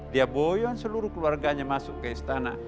dia boyon seluruh keluarganya masuk ke istana